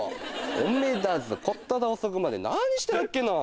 おめたちこっただ遅くまで何してたっけな